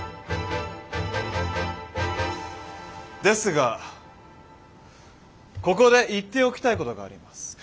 ですがここで言っておきたいことがあります。